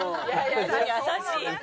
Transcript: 優しい。